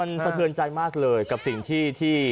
มันสะเทือนใจมากเลยกับสิ่งที่